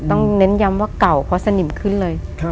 เน้นย้ำว่าเก่าเพราะสนิมขึ้นเลย